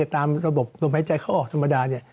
ตามระบบโรมหายใจเข้าออกธรรมดา